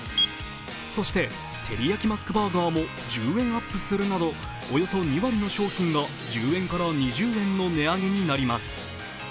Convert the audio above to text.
そして、てりやきマックバーガーも１０円アップするなど、およそ２割の商品が１０円から２０円の値上げになります。